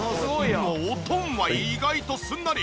おとんは意外とすんなり。